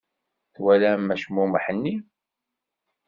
Twalam acmumeḥ-nni?